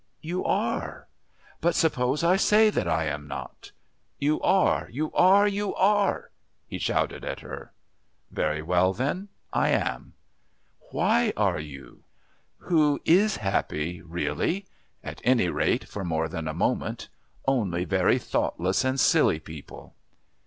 "You are." "But suppose I say that I am not?" "You are. You are. You are!" he shouted at her. "Very well, then, I am." "Why are you?" "Who is happy really? At any rate for more than a moment. Only very thoughtless and silly people."